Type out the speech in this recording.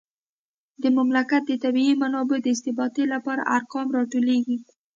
د مملکت د طبیعي منابعو د استفادې لپاره ارقام راټولیږي